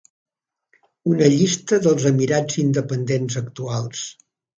Una llista dels Emirats independents actuals.